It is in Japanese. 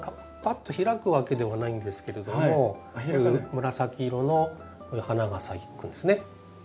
パッと開くわけではないんですけれども紫色のこういう花が咲くんですね。